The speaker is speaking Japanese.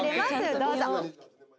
どうぞ。